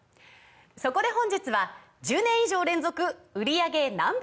そこで本日は１０年以上連続売り上げＮｏ．１